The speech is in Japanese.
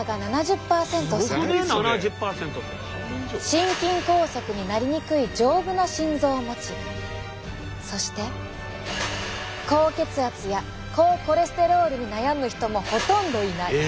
心筋梗塞になりにくい丈夫な心臓を持ちそして高血圧や高コレステロールに悩む人もほとんどいない。